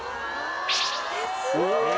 すごい！